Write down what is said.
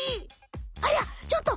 ありゃちょっと！